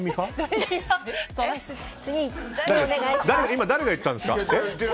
今、誰が言ったんですか？